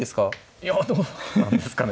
いやどうなんですかね。